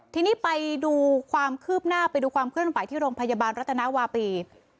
ทีนี้ไปดูความคืบหน้าไปดูความเคลื่อนไหวที่โรงพยาบาลรัฐนาวาปี